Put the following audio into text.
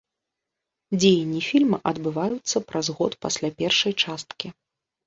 Дзеянні фільма адбываюцца праз год пасля першай часткі.